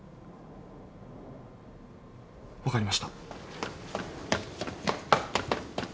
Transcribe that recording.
分かりました。